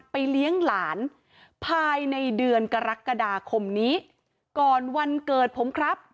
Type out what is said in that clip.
ไปเลี้ยงหลานภายในเดือนกรกฎาคมนี้ของวันเกิดผม